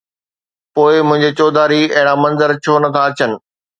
پوءِ منهنجي چوڌاري اهڙا منظر ڇو نه ٿا اچن؟